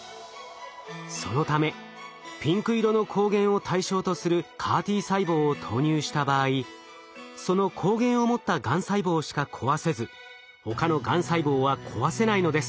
そのためピンク色の抗原を対象とするＣＡＲ−Ｔ細胞を投入した場合その抗原を持ったがん細胞しか壊せず他のがん細胞は壊せないのです。